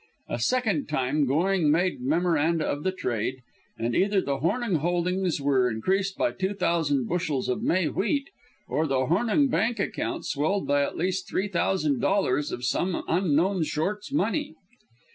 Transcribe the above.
A second time Going made memoranda of the trade, and either the Hornung holdings were increased by two thousand bushels of May wheat or the Hornung bank account swelled by at least three thousand dollars of some unknown short's money.